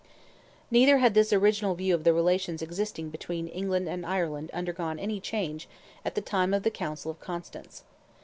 Neither had this original view of the relations existing between England and Ireland undergone any change at the time of the Council of Constance.